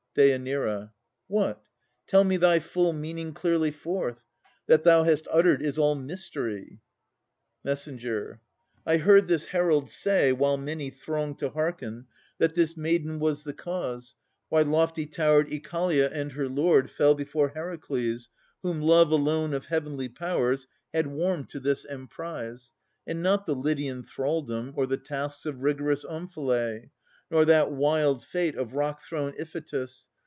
DÊ. What? Tell me thy full meaning clearly forth. That thou hast uttered is all mystery. MESS. I heard this herald say, while many thronged To hearken, that this maiden was the cause, Why lofty towered Oechalia and her lord Fell before Heracles, whom Love alone Of heavenly powers had warmed to this emprise, And not the Lydian thraldom or the tasks Of rigorous Omphalè, nor that wild fate Of rock thrown Iphitus.